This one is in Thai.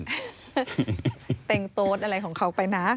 เต็งโต๊ดอะไรของเขาไปนะ